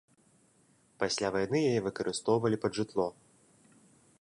Пасля вайны яе выкарыстоўвалі пад жытло.